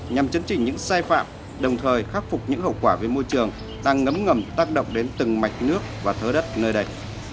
nhằm chấn chỉnh những sai phạm đồng thời khắc phục những hậu quả về môi trường đang ngấm ngầm tác động đến từng mạch nước và thớ đất nơi đây